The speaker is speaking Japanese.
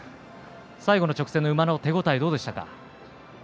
最後の直線の馬の手応えどうでしたか？